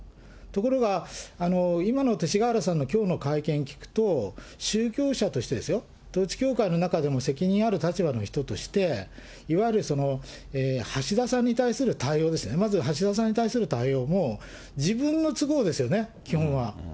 ところが、今の勅使河原さんのきょうの会見聞くと、宗教者としてですよ、統一教会の中でも責任ある立場の人として、いわゆる橋田さんに対する対応ですね、まず橋田さんに対する対応も、自分の都合ですよね、基本は。